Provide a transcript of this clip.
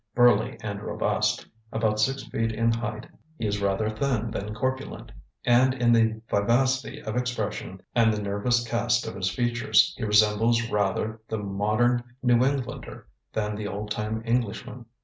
Burly and robust. About six feet in height, he is rather thin than corpulent, and in the vivacity of expression and the nervous cast of his features he resembles rather the modern New Englander than the old time Englishman.